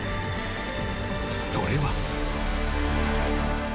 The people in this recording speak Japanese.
［それは］